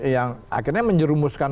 yang akhirnya menjerumuskan